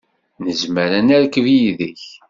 Nezmer ad nerkeb yid-k?